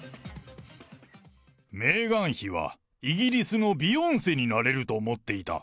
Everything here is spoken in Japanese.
メーガン妃は、イギリスのビヨンセになれると思っていた。